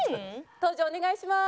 登場お願いします。